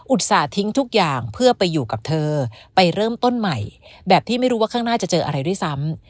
ต้าทิ้งทุกอย่างเพื่อไปอยู่กับเธอไปเริ่มต้นใหม่แบบที่ไม่รู้ว่าข้างหน้าจะเจออะไรด้วยซ้ำ